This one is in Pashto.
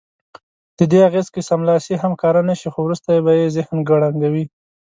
ددې اغېز که سملاسي هم ښکاره نه شي خو وروسته به یې ذهن کړنګوي.